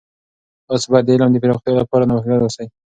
تاسې باید د علم د پراختیا لپاره نوښتګر اوسئ.